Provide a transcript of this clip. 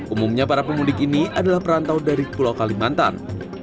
umumnya para pemudik ini adalah perantau dari pulau kalimantan